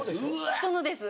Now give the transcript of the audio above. ・人のです